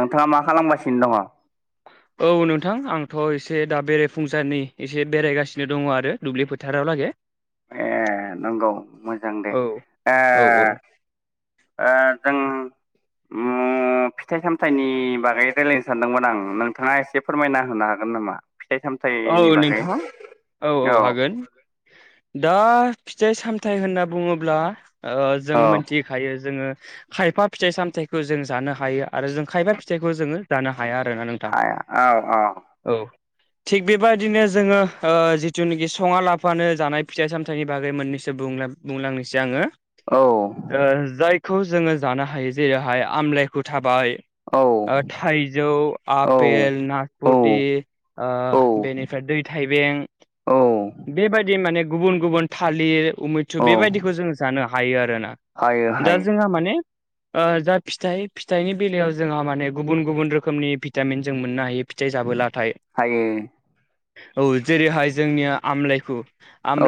नोंथाङा मा खालामगासिनो दङ? औ नोंथां आंथ' एसे दा बेरायफुंजानि एसे बेरायगासिनो दङ आरो दुब्लि फोथारावलागे। [inaudible] ए नंगौ मोजां दे ओ औ औ ओ जों उम [inaudible] फिथाइ सामथाइनि बागै रायजलायनो सानदोंमोन आं नोंथाङा एसे फोरमायना होनो हागोन नामा? फिथाइ औ सामथाइनि बागै नोंथां औ औ हागोन। दा फिथाइ सामथायाइ होनना बुङोब्ला ओ औ जोङो मोनथि हायो जोङो खायफा फिथाइ सामथायाइखौ जों जानो हायो आरो जों खायफा फिथाइखौ जोङो जानो हाया आरोना नोंथां हाया औ औ औ। थिग बेबायदिनो जोङो ओ जिथुनाखि सङा लाफानो जानाय फिथाइ सामथाइनि बागै मोननैसो बुंला बुंलांनोसै आङो। औ ओ जायखौ जोङो जानो हायो जेरैहाय आमलाइखौु थाबाय औ ओ थाइजौ, औ आपेल, औ नासपति ओ औ बेनिफ्राय दै थाइबें औ बेबायदि माने गुबुन गुबुन थालिर उमैथु औ बेबायदिखौ जों जानो हायो आरो ना। हायो दा हायो जोंहा माने जा फिथाइ फिथाइनि बेलायाव जोंहा माने गुबुन गुबुन रोखोमनि भिटामिन जों मोननो हायो। फिथाइ जाबोबलाथाय हायो औ जेरैहाय जोंनिया आमलायखु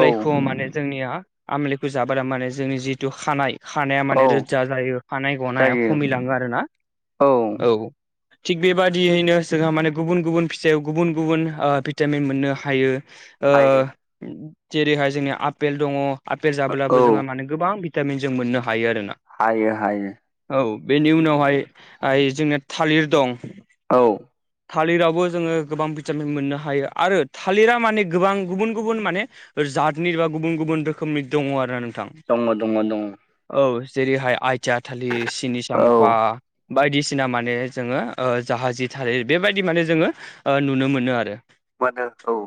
औ माने जोंनिया आमलुखौ जाबोला माने जोंनि जिथु खानाय खानाया औ माने रोज्जा जायो खानाय गनाया जायो खमिलाङो आरो ना। औ औ थिग बेबादियैनो जोंहा माने गुबुन गुबुन फिथायाव गुबुन गुबुन भिटामिन मोननो हायो ओ हायो जेरैहाय जोंनिया आफेल दङ आफेल जाब्लाबो औ जोंहा माने गोबां भिटामिन जों मोननो हायो आरोना। हायो हायो औ बेनि उनावहाय ओइ जोंना थालिर दं। औ थालिरावबो जोङो गोबां भिटामिन मोननो हायो आरो थालिरा माने गोबां गुबुन गुबुन माने जातनि एबा गुबुन गुबुन रोखोमनि दङ आरो ना नोंथां। दङ दङ दङ औ जेरैहाय आइथिया थालि, सिनि साम्फा औ बायदिसिना माने जोङो जाहाजि थाल बेबायदि माने जोङो ओ नुनो मोनो आरो। मोनो औ।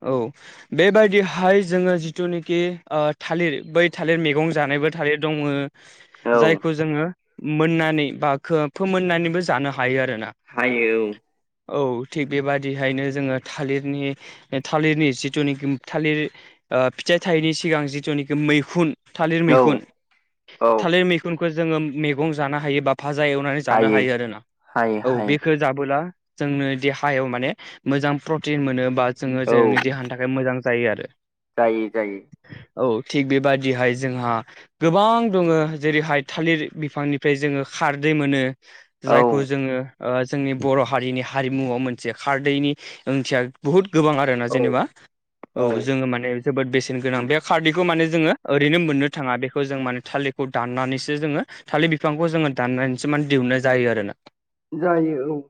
औ बेबायदिहाय जोङो जिथुनाखि ओ थालिर बै थालिर मैगं जानायबो थालिर दङो। औ जायखौ जोङो मोननानै बा को फोमोननानैबो जानो हायो आरोना हायो औ औ थिग बेबादिहायनो जोङो थालिरनि थालिरनि जिथुनाखि थालिर फिथाइ थायैनि सिगां जिथुनाखि मैखुन थालिर औ मैखुन औ औ थालिर मैखुनखौ जोङो मैगं जानो हायो बा भाजा एवनानै जानो हायो आरोोना हायो औ हायो बेखौ जाबोला जोंनो देहा हायाव माने मोजां प्रटिन मोनो बा जोङो औ जोंनि देहानि थाखाय मोजां जायो आरो। जायो जायो औ थिग बेबादिहाय जोंहा गोबां दङ जेरैहाय थालिर बिफांनिफ्राय जोङो खारदै मोनो। औ जायखौ जोङो जोंनि बर' हारिनि हारिमुआव मोन से खारदैनि ओंथिया बुहुत गोबां आरो‌ ना औ जेनेबा औ जोङो माने जोबोद बेसेन गोनां बे खारदैखौ माने जोङो ओरैनो मोननो थाङा बेखौ जों माने थालिरखौ दाननानैसो जोङो। थालिर बिफांखौ जोङो दाननानैसो मान दिहुननाय जायो आरोना। जायो औ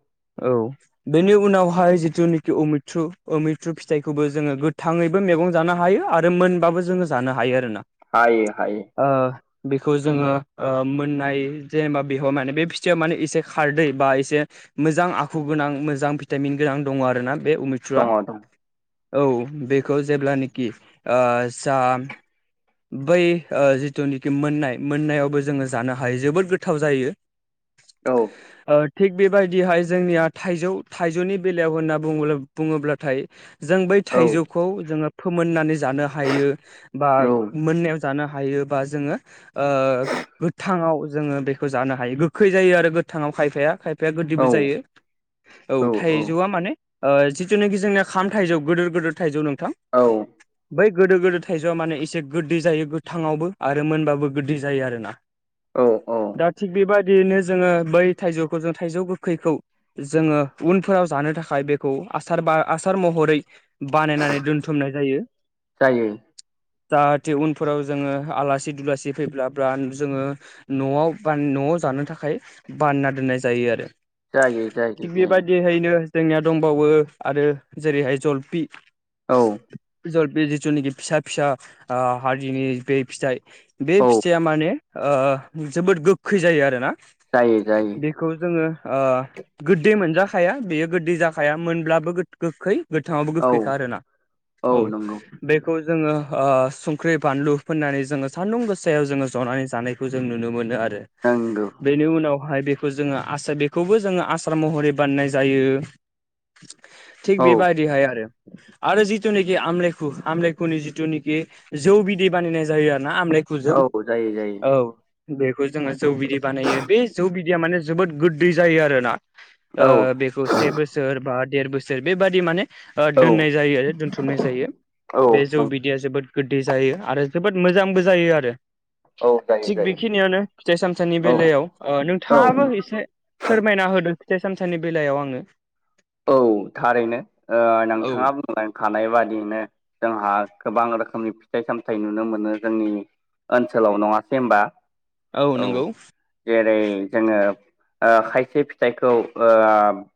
औ बेनि उनावहाय जिथुनाखि अमिथ्रु अमिथ्रु फिथाइखौबो जोङो गोथाङै। मैगं जानो हायो आरो मोनबाबो जोङो जानो हायो आरोना। हाय हाय। ओ बेखौ जोंङो ओ मोननाय जेनेबा बेयाव माने बे फिथाइयाव माने एसे खारदै बा एसे मोजां आखु गोनां मोजां भिटामिन गोनां दङ आरोना बे दङ अमित्रुआ। दं औ बेखौ जेब्लानोखि ओ-जाम बै जिथुनिखि मोननाय मोननायावबो जोङो जानो हायो जोबोद गोथाव जायो। [inaudible] औ ओ-थिग बेबायदिहाय जोंनिया थाइजौ थाइजौनि बेलायाव होनना बुङोल्बा बुङोब्लाथाय जों बै औ थाइजौखौ जोङो फोमोननानै जानो हायो बा। औ मोननायाव जानो हायोबा जोङो। ओ-गोथाङाव जोङो बेखौ जानो हायो गोखै जायो आरो गोथाङाव खायफाया खायफाय औ गोदैबो जायो औ थाइजौआ माने। ओ जिथुनाखि जोंनिया खाम थाइजौ गिदोर गिदोर थाइजौ नोंथां। औ बै गोदो गोदो थाइजौआ माने एसे। गोदै जायो गोथांआवबो आरो मोनबो गोदै जायो आरोना औ औ दा थिग बेबायाददि बिदिनो जोङो बै थाइजौखौ जों थाइजौ गोखैखौ। जोङो उनफोराव जानो थाखाय बेखौ आसार बा आसार मह हरै बानायनानै दोनथुमनाय जायो। जायो जाहाथे उनफोराव जोङो आलासि दुलासि फैब्लाब्ला जोङो। नआव बान नआव जानो थाखाय बानना दोननाय जायो आरो। जायो जायो थिग जायो बेबायदिहैनो जोंनिया दंबावो आरो जेरैहाय जलफि। औ बे जिथुनाखि फिसा फिसा हारिनि बे फिथाइ। बे औ फिथाइया माने ओ-जोबोद गोखै जायो आरोना। जायो जायो। बेखौ जोंङो ओ-गोदै मोनजाखाया बेयो गोदै जाखाया मोनब्लाबो गोखै। गोथांङावबो औ गोखैखा आरोना औ बेखौ जोंङो ओ संख्रि बानलु फोननानै जोंङो सान्दुं गोसायाव जोंङो जनानै जानायखौ जों नुनो मोनो आरो। नोंगौ बेनि उनावहाय बेखौ जोंङो आसार बेखौबो जोंङो आसार महरै बान्नाय जायो। [unintelligible] थिग औ बेबायदिहाय आरो आरो जिथुनाखि आमलेखु आमरेखुनि जिथुनाखि। जौ बिदै बानायनाय जायो आरो ना आमलाायखै जों औ जायो जायो औ। बेखौ जोंङो जौ बिदै बानायो बे जौ बिदैया माने जोबोद गोदै जायो आरोना। औ ओ-बेखौ से बोसोर बा देर बोसोर बेबादि माने औ ओ-दोननाय जायो आरो दोनथुमनाय जायो औ बे जौ बिदैया जोबोद। गोदै जायो आरो जोबोद मोजांबो जायो आरो। औ जायो थिग जायो बेखिनियावनो फिथाइ सामथाइनि औ बेलायाव औ ओ-नोंथांङाबो एसे फोरमायना होदो फिथाइ सामथनि बेलायाव आंङो औ थारैनो औ ओ-नोंथांङा मोजां थानाय बादियैनो जोंहा गोबां रोखोमनि फिथाइ सामथायाइ नुनो मोनो जोंनि। ओनसोलाव नंङासै होनोमबा? औ नंगौ जेरै जोंङो ओ खायसे फिथाइखौ ओ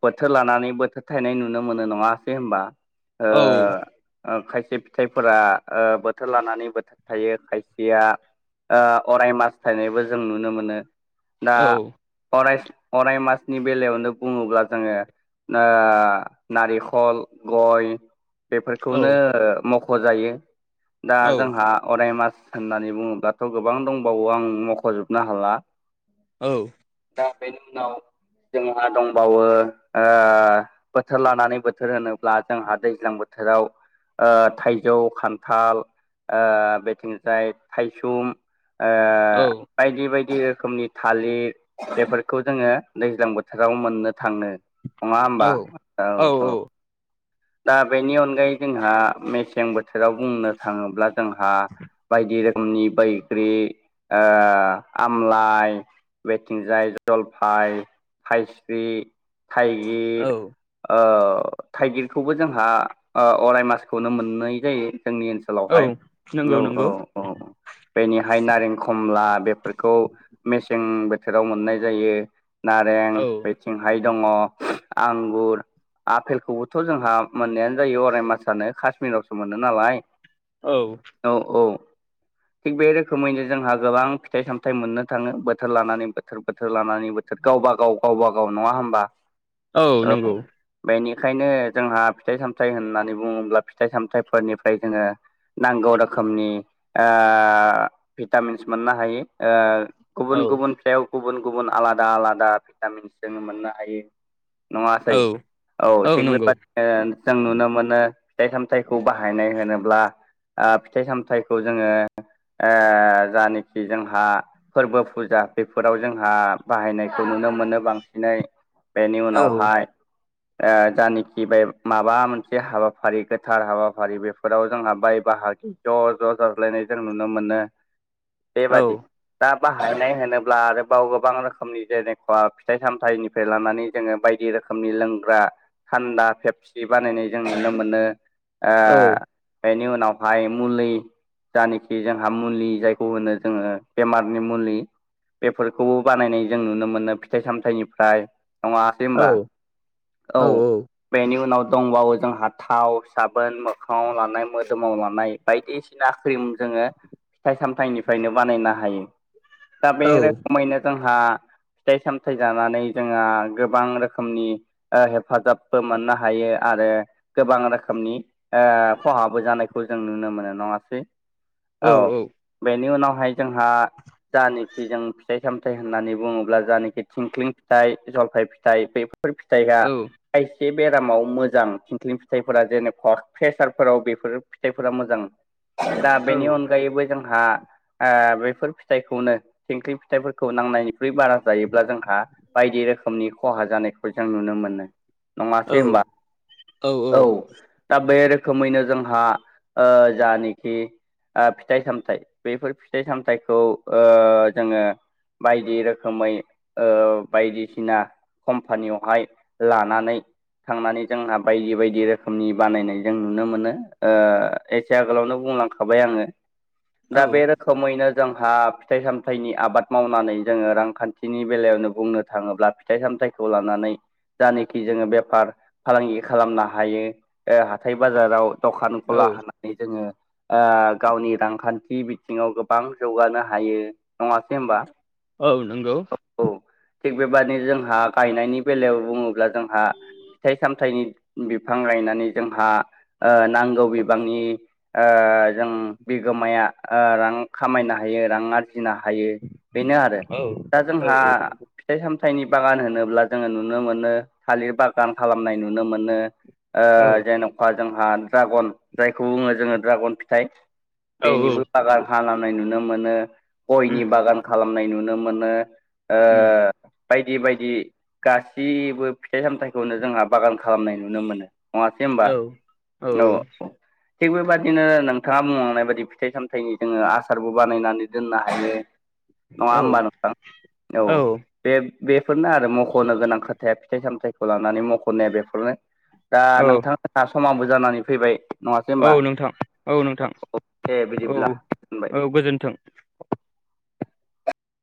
बोथोर लानानै बोथोर थायनाय नुनो मोनो नंङासै होनबा? औ। ओ खायसे फिथाइफोरा ओ बोथोर लानानै बोथोर थायो खायसेया ओ अराय मासथायनायबो जों नुनो मोनो। दा औ अराय अराय मासनि बेलायावनो बुंङोब्ला जोंङो ओ नारिखल गय औ बेफोरखौनो ओ मख' खजायो दा औ जोंहा अराय मास होननानै बुंङोब्लाथ' गोबां दंबावो आं मख'जोबनो हाला। औ। दा बेनि उनाव जोंहा दंबावो ओ बोथोर लानानै बोथोर होनोब्ला जोंहा दैज्लां बोथोराव ओ थाइजौ खान्थाल ओ बेथिंजाय थाइसुम ओ औ बायदि बायदि रोखोमनि थालिर बेफोरखौ जोंङो दैज्लां बोथोराव मोननो थांङो। नंङा होमबा औ औ। दा बेनि अनगायै जोंहा मेसें बोथोराव बुंनो थांङोब्ला जोंहा बायदि रोखोम खनि बैग्रि ओ आमलाइ बेेथिंजाय जलफाय फायस्रि थाइगिर औ ओ थाइगिर खौबो जोंहा अराय मासखौनो मोननाय जायो जोंनि ओनसोल औ ओनसोलावहाय नंगौ औ औ नंगौ औ औ। बेनिहाय नारें खमला बेफोरखौ मेसें बोथोराव मोननाय जायो। नारें औ बेथिंहाय दंङ आंगुर आफेलखौबो थ' जोंहा मोननायानो जायो अराय मासानो कास्मिरावसो मोनो नालाय औ। औ औ। थिग बे रोखोमैनो जोंहा गोबां फिथाइ सामथाइ मोननो थाङो बोथोर लानानै बो बोथोर बोथोर लानानै बोथोर गावबा गाव गावबा गाव नङा होमबा? औ बेनिखायनो जोंहा फिथाइ सामथाइ होननानै बुङोब्ला फिथाइ सामथायफोरनिफ्राय जोङो नांगौ रोखोमनि ओ भिटामिन्स मोननो हायो ओ गुबुन औ गुबुन फिथायाव गुबुन गुबुन आलादा आलादा भिटामिनस जों मोननो हायो। नङासै औ औ थिग बेबादिनो जों नुनो मोनो फिथाइ सामथायखौ बाहायनाय होनोब्ला ओ फिथाइ सामथाइखौ जोङो ओ जानाखि जोंहा फोरबो फुजा बेफोराव जोंहा बाहायनायखौ नुनो मोनो बांसिनै बेनि औ उनावहाय ओ जानोखि [unintelligible] माबा मोनसे हाबाफारि गोथार हाबाफारि बेफोराव जों हाबबाय बाहागि ज' ज' जाज्लायनाय जों नुनो मोनो [inaudible] औ बेबादि दा बाहायनाय होनोब्ला आरोबाव गोबां रोखोमनि जेनेखा फिथाइ सामथाइनि फ्राय लानानै जोङो बायदि रोखोमनि लोंग्रा थान्दा फेपसि बानायनाय जों नुनो मोनो ओ औ बेनि उनावहाय मुलै जानाखि जोंहा मुलि जायखौ होनो जोङो बेमारनि मुलि बेफोरखौबो बानायनाय जों नुनो मोनो फिथाइ सामथायनिफ्राय नङासै औ होनबा औ बेनि उनाव दंबावो जोंहा थाव साबोन मोखाङाव लानाय मोदोमाव लानाय बायदिसिना ख्रिम जोङो फिथाइ सामथाइनिफ्रायनो बानायनो हायो दा बे औ रोखोमैनो जोंहा फिथाइ सामथाइ जानानै जोंहा गोबां रोखोमनि हेफाजाब बो मोननो हायो आरो गोबां रोखोमनि ओ खहाबो जानायखौ जों नुनो मोनो नङासै औ बेनि उनावहाय जोंहा जानाखि जों फिथाइ सामथाइ होननानै बुङोब्ला जानाखि थिंख्लिं फिथाइ जलफाय फिथाइ बेफोर फिथाइ जायगा औ खायसे बेरामाव मोजां थिंख्लिं फिथाइफोरा जेनेबा प्रेसारफोराव बेफोर फिथाइफोरा मोजां दा बेनि अनगायैबो जोंहा बेफोर फिथाइखौनो थिंख्लि फिथाइफोरखौ नांनायनिख्रुइ बारा जायोब्ला जोंहा बायदि रोखोमनि खहा जानायखौ जों नुनो मोनो नङासै होनबा औ औ दा बे रोखोमैनो जोंहा ओ जानाखि ओ फिथाइ सामथाय बेफोर फिथाइ सामथायखौ ओ जोङो बायदि रोखोमै ओ बायदिसिना कम्पानियावहाय लानानै थांनानै जोंहा बायदि बायदि रोखोमनि बानायनाय जों नुनो मोनो एसे आगोलावनो बुंलांखाबाय आङो दा बे औ खोमैनो जोंहा फिथाइ सामथाइनि आबाद मावनानै जोङो रांखान्थिनि बेलायावनो बुंनो थाङोब्ला फिथाइ सामथाइखौ लानानै जानाखि जोङो बे फार फालांगि खालामनो हायो हाथाय बाजाराव दखान गला औ हो जोङो ओ गावनि रांखान्थि बिथिङाव गोबां जौगानो हायो नङासै होमबा औ नंगौ औ थिग बेबादि जोंहा गायनायनि बेलायाव बुङोब्ला जोंहा फिथाइ सामथाइनि बिफां गायनानै जोंहा नांगौ बिबांनि जों बिगोमाया रां खामायनो हायो रां आरजि फुजिनो हायो बेनो आरो औ दा औ जोंहा फिथाइ सामथायाइनि बागान होनोब्ला जोङो नुनो मोनो थालिर बागान गान खालामनाय नुनो मोनो औ जेन' जोंहा ड्रागन जायखौ बुङो जोङो ड्रागन फिथाइ औ बेनिबो बागान नंगौ हानाङौ नाय नुनो मोनो गयनि उम बागान खालामनाय नुनो मोनो उम बायदि बायदि गाससिबो फिथाइ सामथाइखौनो जोंहा बागान खालामनाय नुनो मोनो नङासै औ होमबा औ औ थिग बेबायदिनो नोंथाङा बुंलांनाय बायदि फिथाइ सामथाइनि जोङो आसारबो बानायनानै दोननो हायो नङा होमबा नोंथां औ बे बेफोरनो आरो मख'नो गोनां खोथाया फिथाइ सामथायाइखौ लानानै मख'नाया बेफोरनो दा औ नोंथाङा समाबो जानानै फैबाय नङासै औ होनोमबा नोंथां औ नोंथां औ दे औ बिदिब्ला दोनबाय औ गोजोन्थों